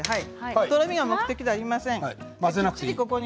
とろみが目的ではありません。